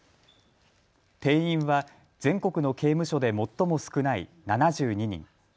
定員は全国の刑務所で最も少ない７２人。